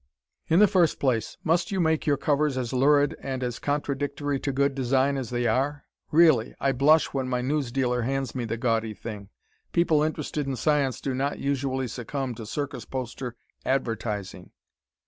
In the first place, must you make your covers as lurid and as contradictory to good design as they are? Really, I blush when my newsdealer hands me the gaudy thing. People interested in science do not usually succumb to circus poster advertising.